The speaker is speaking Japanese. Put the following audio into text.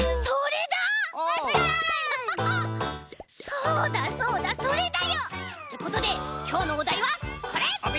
そうだそうだそれだよ！ってことできょうのおだいはこれ！